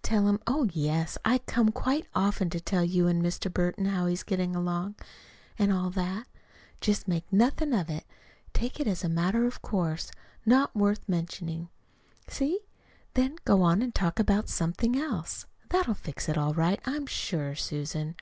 Tell him, oh, yes, I come quite often to tell you and Mr. Burton how he's getting along, and all that. Just make nothing of it take it as a matter of course, not worth mentioning. See? Then go on and talk about something else. That'll fix it all right, I'm sure, Susan."